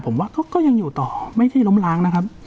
ผมว่าก็ยังอยู่ต่อไม่ใช่ล้มล้างนะครับ